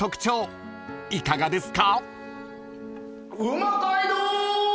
［いかがですか？］